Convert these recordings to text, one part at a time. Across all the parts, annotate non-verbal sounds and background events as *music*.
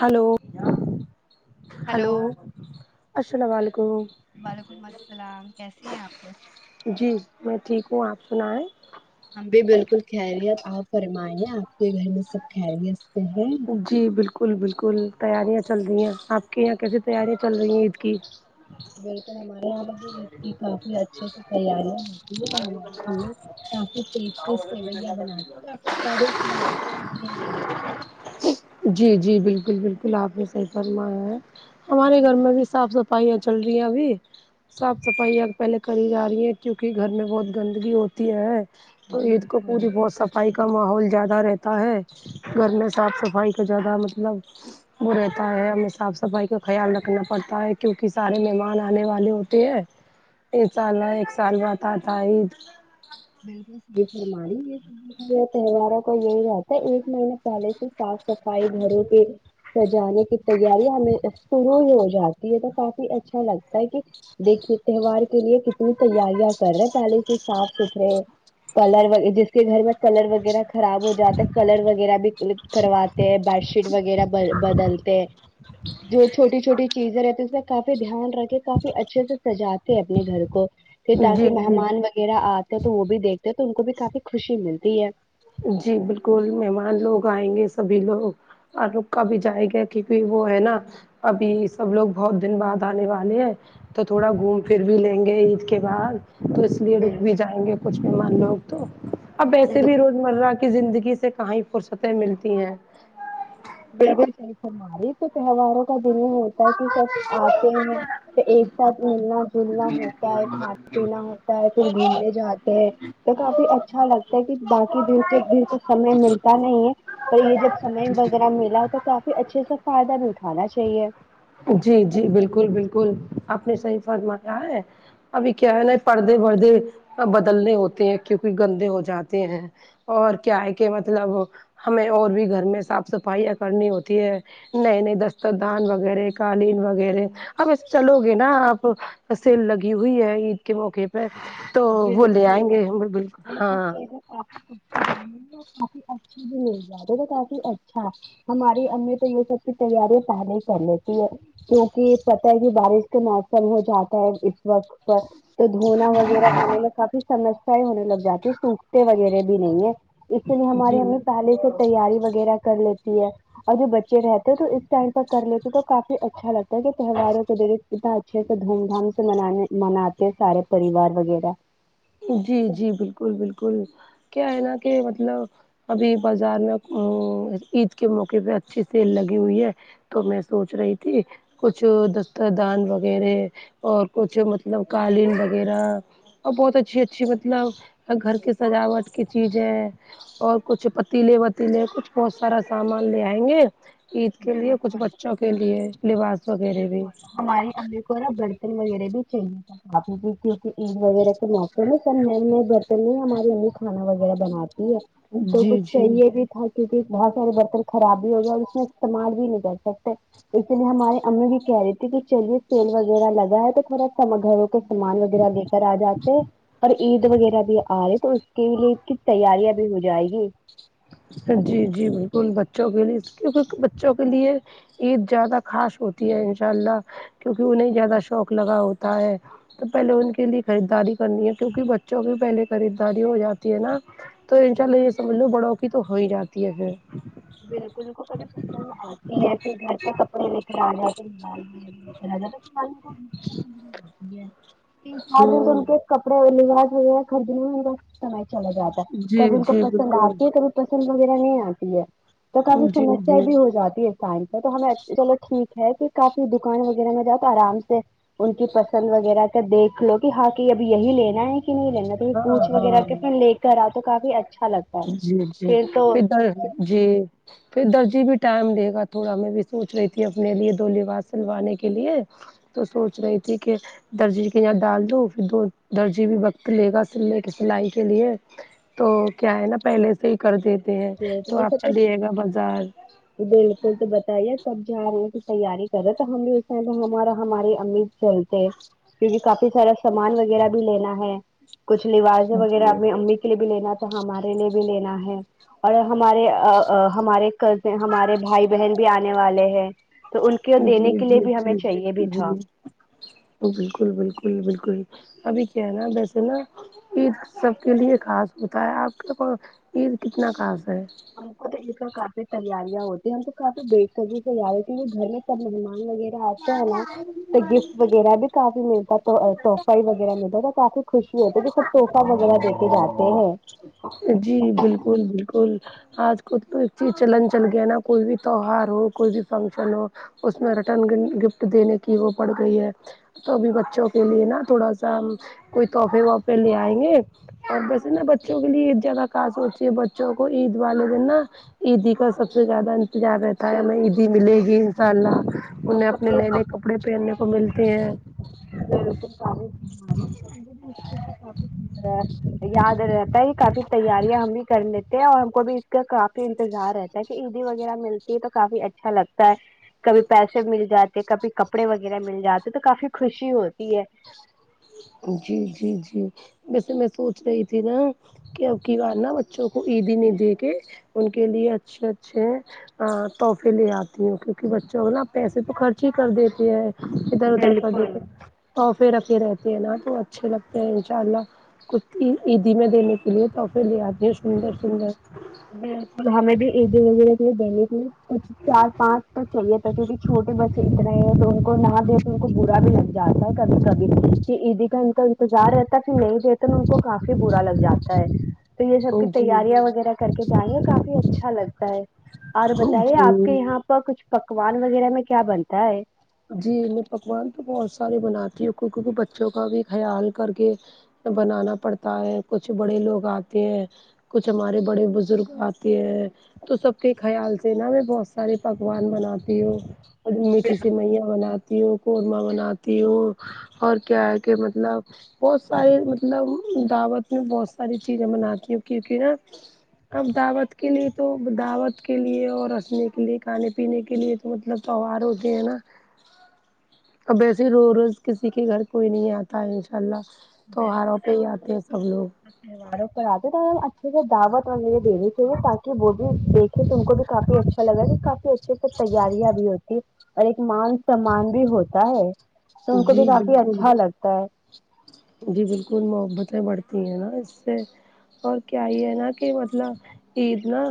hello hello السلام علیکم وعلیکم السلام کیسے ہیں آپ جی میں ٹھیک ہوں آپ سنیں ہم بھی بالکل خیریت آپ فرمائیے آپ کے گھر میں سب خیریت سے ہیں جی بالکل بالکل تیاریاں چل رہی ہیں آپ کے یہاں کیسی تیاریاں چل رہی ہیں عید کی بالکل ہمارے یہاں پر بھی عید کی کافی اچھے سے تیاریاں ہوتی ہے ہمارے یہ کافی ٹیسٹی سیویاں بناتے کافی سوادشٹ بنتی ے ہمارے یہاں جی جی بالکل بالکل آپ نے صحیح فرمایا ہے ہمارے جی گھر میں بھی صاف صفا ئیاں چل رہی ہے ابھی صاف صفائیاں پہلے کری جا رہی ہے کیونکہ گھر میں بہت گندگی ہوتی ہے تو عید کو بالکل پوری بہت صفائی کا ماحول زیادہ رہتا ہے گھر میں صاف صفائی کا زیادہ مطلب وہ رہتا ہے ہمیں صاف صفائی کا خیال رکھنا پڑتا ہے کیونکہ سارے مہمان آنے والے ہوتے ہیں ایک سال ہے ایک سال بعد آتا ہے عید بالکل صحیح فرمارہی یہ تو تہواروں کا یہی رہتا ہے ایک مہینے پہلے سے صاف صفائی گھروں کے سجانے کی تیاریاں ہمیں شروع ہی ہو جاتی ہے تو کافی اچھا لگتا ہے کہ دیکھیے تہوار کے لیے کتنی تیاریاں کر رہے پہلے سے صاف ستھرے ہیں کلر جس کے گھر میں کلر وغیرہ خراب ہو جاتا ہے کلر وغیرہ بھی کرواتے ہے بیڈ شیٹ وغیرہ ب بدلتے ہے جو چھوٹی چھوٹی چیزیں رہتی اس کا کافی دھیان رکھے کافی اچھے سے سجاتے ہے اپنے گھر کو پھر جی تاکہ جی مہمان وغیرہ آتے تو وہ بھی دیکھتے ہیں تو ان کو بھی کافی خوشی ملتی ہے جی بالکل مہمان لوگ آئیں گے سبھی لوگ اور رک کر بھی جائے گا کیونکہ وہ ہے نا ابھی سب لوگ بہت دن بعد آنے والے ہیں تو تھوڑا گھوم پھر بھی لیں گے عید کے بعد تو اس لیے بال رک بھی جائیں گے کچھ مہمان لوگ تو اب ویسے بھی بالکل روز روز مرہ کی زندگی سے کہیں فرصتیں ملتی ہیں بالکل صحیح فرما رہی ہے تو تہواروں کا دن ہی ہوتا تاکہ سب آتے ہے کہ ایک ساتھ ملنا جلنا ہو کھانا پینا ہوتا ہے پھر گھومنے جاتے ہیں تو کافی اچھا لگتا ہے کہ باقی دن تو سمے ملتا نہیں ہے تو یہ جب سمے وغیرہ ملا ہے تو کافی اچھے سے فائدہ بھی اٹھانا چاہیے جی جی بالکل بالکل آپ نے صحیح فرمایا ہے ابھی کیا ہے نا پردے وردے سب بدلنے ہوتے ہیں کیونکہ گندے ہو جاتے ہیں اور کیا ہے کہ مطلب ہمیں اور بھی گھر میں صاف صفائیاں کرنی ہوتی ہے نئے نئے دستر خان وغیرہ قالین وغیرہ اب ایس چلو گے نا آپ سیل لگی ہوئی ہے عید کے موقع پہ تو وہ لے آئیں بالکل گے ہم بالکل یہ سب ہاں چیزیں کافی سستی داموں کافی اچھے سے لے کر جارہے کافی اچھا ہماری امی تو یہ سب کی تیاریاں پہلے ہی کر لیتی ہے کیونکہ پتا ہے کہ بارش کا موسم ہو جاتا ہے اس وقت تک تو دھونا وغیرہ ہونے میں کافی سمسیا ہونے لگ جاتی سوکھتے وغیرہ بھی نہیں ہے اس لیے ہمارے جی امی پہلے سے تیاری وغیرہ کر لیتی ہے اور جو بچے رہتے ہیں تو اس ٹائم پر کر لیتے تو کافی اچھا لگتا ہے کہ تہواروں کے دے اتنا اچھے سے دھوم دھام سے منانے مناتے ہیں سارے پریوار وغیرہ جی جی بالکل بالکل کیا ہے نا کہ مطلب ابھی بازار میں آ عید کے موقعے پہ اچھی سیل لگے ہوئی ہے تو میں سوچ رہی تھی کچھ دستردان وغیرہ اور کچھ مطلب قالین وغیرہ اور بہت اچھی اچھی مطلب گھر کی سجاوٹ کی چیزیں اور کچھ پتیلے وتیلے کچھ بہت سارا سامان لے آئیں گے عید کے لیے کچھ بچوں کے لیے لباس وغیرہ بھی بالکل ہماری امی کو نا برتن وغیرہ بھی چاہے تھاپ کی عید وغیرہ کے موقع میں سب نئی نئی برتن میں ہی ہماری امی کھانا وغیرہ بناتی ہے تو جی کچھ جی چاہیے بھی تھا کیونکہ بہت سارے برتن خراب بھی ہو گئے اور اس میں استعمال بھی نہیں کر سکتے اس لیے ہمارے امی بھی کہہ رہی تھی کہ چلیے سیل وغیرہ لگا ہے تو تھوڑا سامان گھروں کے سامان وغیرہ لے کر آ جاتے اور عید وغیرہ بھی آ رہی ہے تو اس کے لیے کچھ تیاریاں بھی ہو جائے گی جی جی بالکل بچوں کے لیے کیونکہ بچوں کے لیے عید زیادہ خاص ہوتی ہے ان شاء اللہ کیونکہ انہیں زیادہ شوق لگا ہوتا ہے تو پہلے ان کے لیے خریداری کرنی ہے کیونکہ بچوں کی پہلے خریداری ہو جاتی ہے نا تو ان شاء اللہ یہ سمجھ لو بڑھوں کی تو ہو ہی جاتی ہے پھر بالکل ان کو کبھی پسند آتی ہے پھر گھر پہ کپڑے لے کر آ جاتے موبائل میں *inaudible* تین چار دن تو ان ہ کے کپڑے لباس وغیرہ خریدنا ہوگا سمے چلا جاتا ہے جی کب ان کو جی پسند بالکل آتی ہے کبھی پسند وغیرہ نہیں آتی ہے تو کافی جی سمسیا جی بھی ہو جاتی ہے ٹائم تو ہمیں چلو ٹھیک ہے کہ کافی دوکان وغیرہ میں جاؤ تو آرام سے ان کی پسند وغیرہ کا دیکھ لو کہ ہاں کہ اب یہی لینا ہے نہیں لینا تو ہاں پوچ وغیرہ کے ہاں پھر لے کر آؤ تو کافی اچھا لگ جی جی پھر کل جی پھر درجی بھی ٹائم دے گا تھوڑا میں بھی سوچ رہی تھی اپنے لیے دو لباس سلوانے کے لیے تو سوچ رہی تھی کہ درجی کے یہاں ڈال دو ں پھر دو درجی بھی وقت لے گا سلنے کے سلائی کے لیے تو کیا ہے نا پہلے سے ہی کر دیتے ہیں تو یہ آپ سب کا پہ دیے گا بازار بالکل تو بتائیے کب جا رہے ہیں کی تیاری کرے تو ہم بھی اس ائ ہمارا ہمارے ہم بھی چلتے کیونکہ کافی سارا سامان وغیرہ بھی لینا ہے کچھ لبازیں وغیرہ جی اپنی امی کے لیے بھی لینا تھا ہمارے لیے بھی لینا ہے اور ہمارےاا ہمارے کز ہمارے بھائی بہن بھی آنے والے ہے تو ان کے دینے جی کے لیے جی بھی ہمیں جی چاہیے بھی تھا جی بالکل بالکل بالکل ابھی کیا ہے نا ویسے نا عید سب کے لیے خاص ہوتا ہے آپ کےا عید کتنا خاص ہے ہم کو تو عید پر کافی تیاریاں ہوتی ہیں ہم تو کافی دیکھ کر ہی تیا ری کے لیےگھر میں سب مہمان وغیر آتےہیں نہ گفٹ وغیرہ بھی کافی ملتا توتح تحفہ ہی وغیرہ ملتا تو کافی خوشی ہوتی کہ سب تحفہ وغیرہ دے کے جاتے ہیں جی بالکل آج کل ک ایک چیز چلن چل گیا نا کوئی بھی تیوہار ہو کوئی بھی فنکشن ہو اس میں ریٹرن گفٹ دینے کی وہ پڑ گئی ہے تو بھی بچوں کے لیے نا تھوڑا سا کوئی تحفے وحفے لے آئیں گے اور ویسے نا بچوں کے لیے عید جیادہ خاص ہوتی ہے بچوں کو عید والے دن نا عیدی کا سب سے زیادہ جا رہتا ہے ہمیں عیدی ملے بالکل گی ان شاء اللہ ہم انہیں کو اپنے بھی یہ نئے سب نئے کپ ڑے پہننے کو ملتے ہیں بالکل *unintelligible* چیز کا یاد رہتا ہے کافی تیاریاں ہم بھی کر لیتے ہیں اور ہم کو بھی کا کافی انتظار رہتا ہے کہ عیدی وغیرہ ملتی ہے تو کافی اچھا لگتا ہے کبھی پیسے مل جاتے کبھی کپڑے وغیرہ مل جاتے تو کافی خوشی ہوتی ہے جی جی جی ویسے میں سوچ رہی تھی نا کہ اب کی بار نہ بچوں کو عیدی نہیں دے کے ان کے لیے اچھے اچھے ا تحفے لے آتی ہوں کیونکہ بچوں کو نا پیسے تو خرچ ہی کر دیتے ہے ادھر ادھر کر بالکل دیتے تحفے رکھے رہتے ہیں نا تو اچھے لگتے ہیں ان شاء اللہ کچھ عیدی میں دینے کے لیے تو تحفے لے آتی ہیں سندر سندر بالکل ہمیں بھی عیدی وغیرہ کے لیے دینے کےلیےکچھ چار پانچ تو چاہیے تھا کیونکہ چھوٹے بچے اتنے ہیں تو ان کو نہ دے تو ان کو برا بھی لگ جاتا ہے کبھی کبھی کہ عیدی کا ان کا انتظار رہتا ہے پھر نہیں دیتے نہ ان کو کافی برا لگ جاتا ہے تو یہ سب کی جی تیاریاں وغیرہ کر کے جائیں گے کافی اچھا لگتا ہے اور بتائیے آپ جی کے یہاں پر کچھ پکوان وغیرہ میں کیا بنتا ہے جی میں پکوان تو بہت سارے بناتی ہوں کی کیونکہ بچوں کا بھی خیال کر کے بنانا پڑتا ہے کچھ بڑے لوگ آتے ہیں کچھ ہمارے بڑے بزرگ آتے ہیں تو سب کے خیال سے نا میں بہت سارے پکوان بناتی ہوں اور میٹھی سو یاں بناتی ہوں خورمہ بناتی ہوں اور کیا ہے کہ مطلب بہت سارے مطلب دعوت میں بہت ساری چیزیں بناتی ہوں کیونکہ نا اب دعوت کے لیے تو دعوت کے لیے اور رسنے کے لیے کھانے پینے کے لیے مطلب تہوار کے ہیں نا اب ایسے ہی رو روز کسی کے گھر کوئی نہیں آتا ہے انشاء اللہ تیوہاروں پہ ہی آتے ہیں سب لوگ تیوہاروں پر آتے ہیں تو اچھے سے دعوت و دینی چاہیے تاکہ وہ بھی دیکھے تم کو بھی کافی اچھا لگا کہ کافی اچھے سے تیاریاں بھی ہوتی اور ایک مان سمان بھی ہوتا ہے تو ان کو بھی جی کافی بالکل اچھا لگتا ہے جی بالکل محبتیں بڑھتی ہیں نا اس سے اور کیا ہی ہے نا کہ مطلب عید نا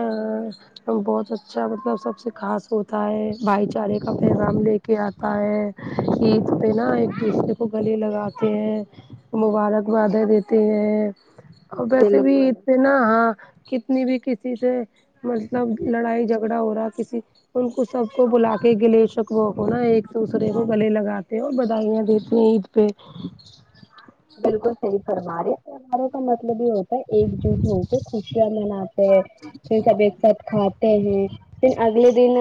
ا بہت اچھا مطلب سب سے خاص ہوتا ہے بھائی چارے کا پیغام دیتے کہ آتا ہے عید پہ نا ایک دوسرے کو گلے لگا تے ہیں مبارکبادئیں دیتے ہیں اور ویسے بھی بالکل ات نا ہاں کتنی بھی کسی سے مطلب لڑائی جھگڑا ہو رہا ہے کسی ان کو سب کو بلا کے گلے شکوں کو نا ایک دوسرے کو گلے لگاتے اور بداھائیاں دے یہ عید پہ بالکل صحیح فرمارہے ہر ایک مطلب ہی ہو بس ایک جٹ ہو کے خوشیاں منا تے ہے پھر سب ایک سب کھاتے ہیں پھر اگلے دن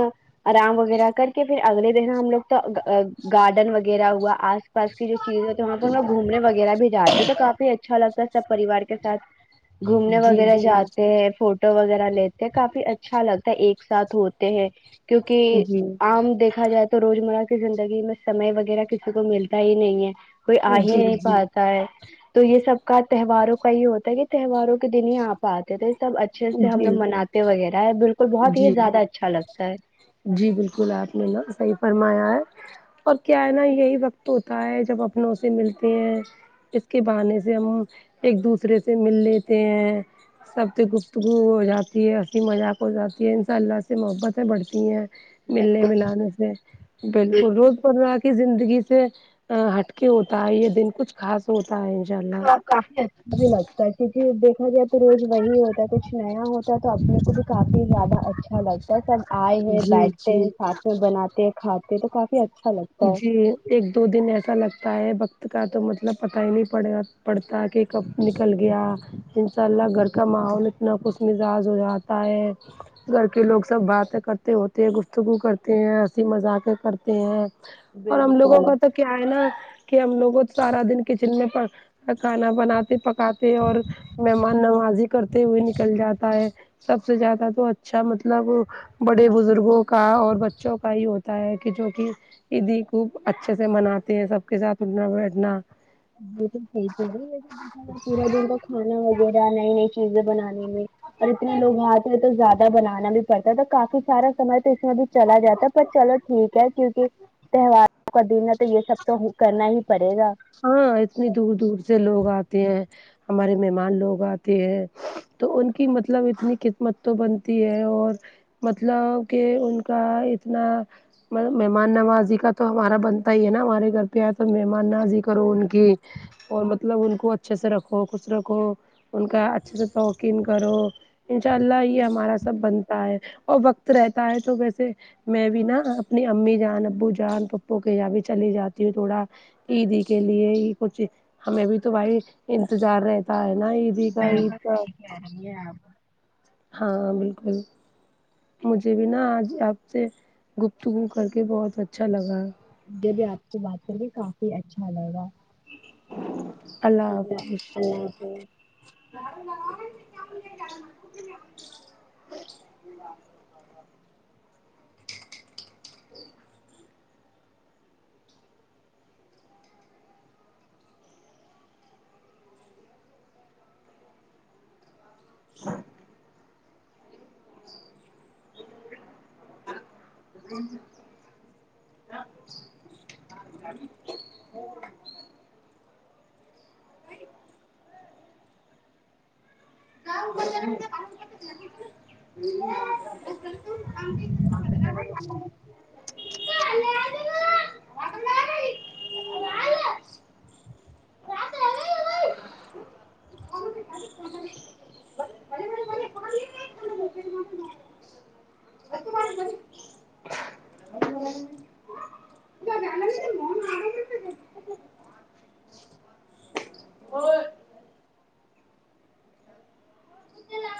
آرام وغیرہ کر کے پھر اگلے دن ہم لوگ تو گ گارڈن وغیرہ ہوا آج پاس کی جو چیز ہوتی تو وہاں پہ ہم لوگ گھومنے وغیرہ بھی جاتے ہیں تو کافی اچھا لگتا ہے سب پریوار کے ساتھ گھومنے جی وغیرہ جی جاتے ہیں فو ٹو وغیرہ لیتے ہیں کافی اچھا لگتا ہے ایک ساتھ ہوتے ہیں کیونکہ جی عام دیکھا جائے تو روزمرہ کی زندگی میں سمے وغیرہ کسی کو ملتا ہی نہیں ہے کوئی آ ہی جی نہیں جی پا تا ہے تو یہ سب کا تہواروں کا یہ ہوتا ہے کہ تہواروں کے دن ہی آ پ اتے تھے تب اچھے سے ہم جی لوگ مناتے وغیرہ ہے بالکل بہت ہی جی زیادہ اچھا لگتا ہے جی بالکل آپ نے نا صحیح فرمایا ہے اور کیا ہے نا یہی وقت ہوتا ہے جب اپنوں سے ملتے ہیں اس کے بہانے سے ہم ایک دوسرے سے مل لیتے ہیں سب سے گفتگو ہو جاتی ہے ہنسی مذاق ہو جاتی ہے ان شاء اللہ سے محبتیں بڑھتی ہیں بالکل ملنے ملانے سے بالکل روز مرہ زندگی سے ہٹکے ہوتا ہے یہ دن کچھ خاص ہوتا ہے انشاء اللہ کافی اچھا بھی لگتا ہے کیونکہ دیکھا جائے تو روز وہی ہوتا ہے کچھ نیا ہوتا ہے تو اپنے کو بھی کافی زیادہ اچھا لگتا ہے سب آئے ہیں جی بیٹھتے جی ہیں ساتھ میں بناتے کھاتے تو کافی اچھا لگ جی ایک دو دن ایسا لگتا ہے وقت کا تو مطلب پتہ ہی نہیں پڑ پڑتا کہ کب نکل گیا ان شاء اللہ گھر کا ماحول اتنا خوش مزاج ہو جاتا ہے گھر کے لوگ سب باتیں کرتے ہوتے ہیں گفتگو کرتے ہیں ہنسی مذاقیں کرتے ہیں اور ہم لوگوں بالکل کا تو کیا ہے نا کہ ہم لوگوں سارا دن کچن میں پ کھانا بناتے پکاتے اور مہمان نوازی کرتے ہوئے نکل جاتا ہے سب سے زیادہ تو اچھا مطلب بڑے بزرگوں کا اور بچوں کا ہی ہوتا ہے کہ جو کہ عیدی خوب اچھے سے مناتے ہیں سب کے ساتھ اٹھنا بیٹھنا بالکل صحیح فرماے آپ پورا دن تو کھانا وغیرہ نئی نئی چیزیں بنانے میں اور اتنے لوگ آتے ہیں تو زیا دہ بنانا بھی پڑتا ہے تو کافی سارا سمے تو اس میں بھی چلا جاتا ہے پر چلو ٹھیک ہے کیونکہ تہواروں کا دن ہے تو یہ سب تو کرنا ہی پڑے گا ہاں اتنی دور دور سے لوگ آتے ہیں ہمارے مہمان لوگ آتے ہیں تو ان کی مطلب اتنی قسمت تو بنتی ہے اور مطلب کہ ان کا اتنا مہمان نوازی کا تو ہمارا بنتا ہی ہے نا ہمارے گھر پہ آئے تو مہمان نازی کا کرو ان کی اور مطلب ان کو اچھے سے رکھو خوش رکھو ان کا اچھے سے توقین کرو انشاء اللہ یہ ہمارا سب بنتا ہے اور وقت رہتا ہے تو ویسے میں بھی نا اپنی امی جان ابو جان پھوپو کے یہاں بھی چلی جاتی ہوں تھوڑا عیدی کے لیے ہی کچھ ہمیں بھی تو بھائی انتظار رہ کا ہے نا یہ بالکل صحیح کہہ رہی ہیں آپ ہاں بالکل مجھے بھی نا آج آپ سے گفتگو کر کے بہت اچھا لگا مجھے بھی آپ سے بات کر کے کافی اچھا لگا اللہ ا اللہپ *inaudible* م م *inaudible* بچ *inaudible* *inaudible* ہھ *inaudible* ی *inaudible* ہاں *inaudible* ج *unintelligible* *inaudible* *inaudible* انی *inaudible* *inaudible* کیا بیا لگیس من *inaudible* وہ *inaudible* *inaudible*